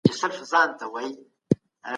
کابینه بهرنی پور نه اخلي.